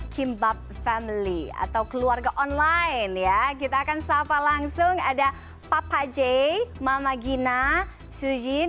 kimbab family atau keluarga online ya kita akan sapa langsung ada papa j mama gina sujin